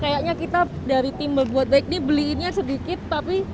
kayaknya kita dari tim berbuat baik ini beliinnya sedikit tapi